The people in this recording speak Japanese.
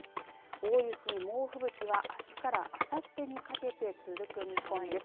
大雪、猛吹雪はあすからあさってにかけて続く見込みです。